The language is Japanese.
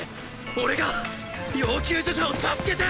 俺が要救助者を助けて！